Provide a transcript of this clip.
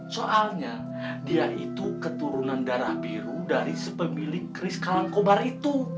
soalnya dia itu keturunan darah biru dari sepemilik kris kalangkobar itu